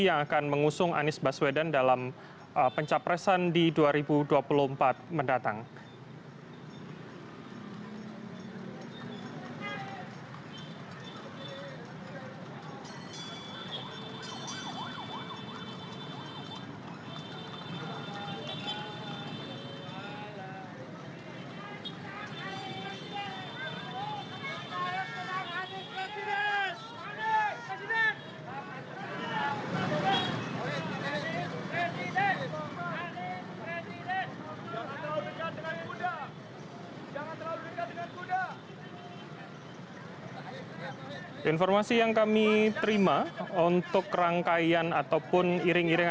yang akan mengusung anies baswedan dalam pencapresan di dua ribu dua puluh empat mendatang